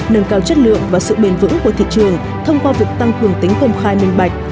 nâng cao chất lượng và sự bền vững của thị trường thông qua việc tăng cường tính công khai minh bạch